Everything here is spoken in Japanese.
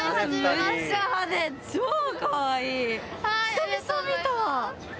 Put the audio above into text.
久々見た。